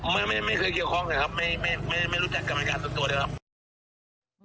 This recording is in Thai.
ไม่ไม่ไม่เคยเกี่ยวข้องนะครับไม่ไม่ไม่ไม่รู้จักกำลังการตัวตัวด้วยครับ